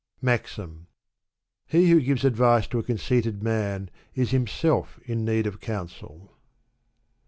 MAXIM. He who gives advice to a conceited man is himself in need of counsel.